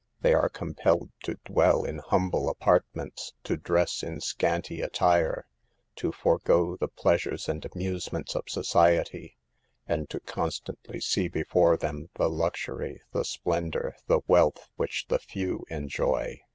They are compelled to dwell in humble apartments, to dress in scanty attire, to forego the pleasures and amusements 8 170 SAVE THE GrIBLS. of society, and to constantly see before them the luxury, the splendor, the wealth which the few enjoy.